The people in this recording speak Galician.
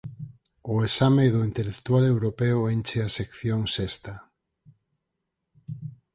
O exame do «intelectual europeo» enche a sección sexta.